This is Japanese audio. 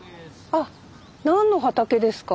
あっ何の畑ですか？